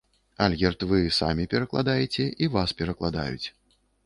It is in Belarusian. Альгерд, вы самі перакладаеце і вас перакладаюць.